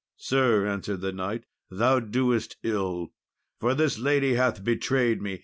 "Sir," answered the knight, "thou doest ill, for this lady hath betrayed me."